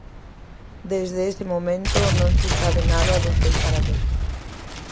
Desde ese momento non se sabe nada do seu paradoiro.